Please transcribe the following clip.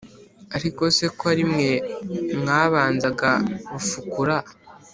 ese ko ari mwe mwabanzaga rufukura